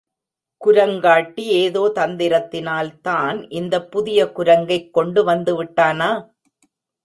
குரங்காட்டி எதோ தந்திரத்தினால் தான் இந்தப் புதிய குரங்கைக் கொண்டு வந்து விட்டானா?